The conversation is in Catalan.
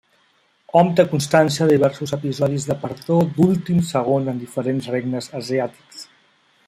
Hom té constància de diversos episodis de perdó d'últim segon en diferents regnes asiàtics.